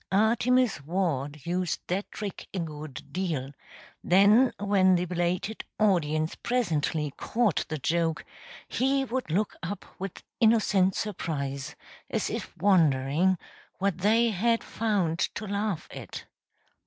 Artemus Ward used that trick a good deal; then when the belated audience presently caught the joke he would look up with innocent surprise, as if wondering what they had found to laugh at.